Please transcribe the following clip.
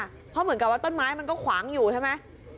เพราะเหมือนกับว่าต้นไม้มันก็ขวางอยู่ใช่ไหม